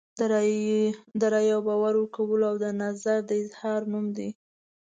د رایې او باور ورکولو او د نظر د اظهار نوم دی.